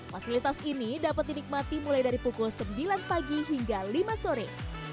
fasilitas ini dapat dinikmati mulai dari pukul sembilan pagi hingga lima sore